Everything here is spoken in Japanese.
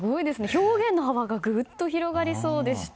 表現の幅が広がりそうでした。